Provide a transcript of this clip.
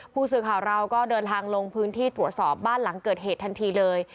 ผู้สื่อข่าวเราก็เดินทางลงพื้นที่ตรวจสอบบ้านหลังเกิดเหตุทันทีเลย